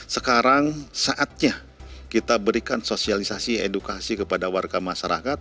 sekarang saatnya kita berikan sosialisasi edukasi kepada warga masyarakat